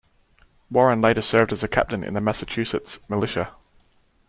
Warren later served as a captain in the Massachusetts Militia.